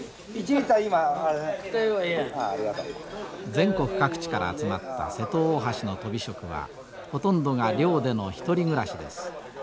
全国各地から集まった瀬戸大橋のとび職はほとんどが寮での１人暮らしです。